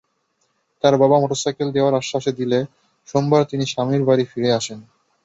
তাঁর বাবা মোটরসাইকেল দেওয়ার আশ্বাস দিলে সোমবার তিনি স্বামীর বাড়ি ফিরে আসেন।